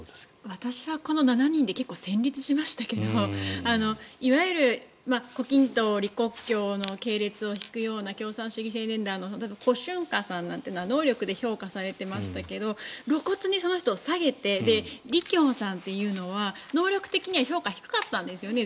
私はこの７人で結構戦りつしましたけどいわゆる胡錦涛、李克強の系列を引くような共産主義青年団のコ・シュンカさんなんかは能力で評価されていましたが露骨にその人を下げてリ・キョウさんというのは能力的には評価が低かったんですよね。